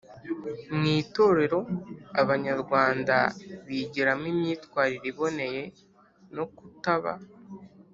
mu itorero, abanyarwanda bigiramo imyitwarire iboneye no kutaba